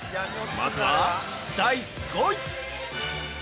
まずは第５位。